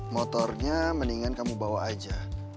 motornya mendingan kamu bawa aja